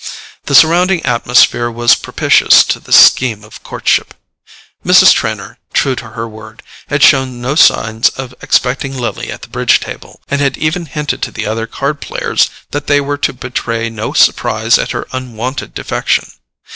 The surrounding atmosphere was propitious to this scheme of courtship. Mrs. Trenor, true to her word, had shown no signs of expecting Lily at the bridge table, and had even hinted to the other card players that they were to betray no surprise at her unwonted defection.